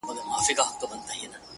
ټوله وركه يې’